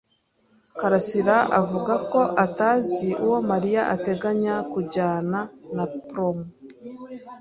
karasira avuga ko atazi uwo Mariya ateganya kujyana na promo.